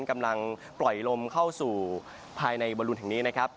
กำลังปล่อยลมเข้าสู่ภายในบรุนแห่งนี้นะครับ